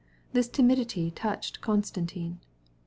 This timidity touched Konstantin.